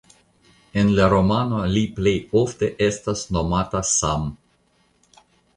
En la romano li plej ofte estas nomata Sam.